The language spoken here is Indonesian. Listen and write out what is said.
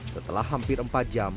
setelah hampir empat jam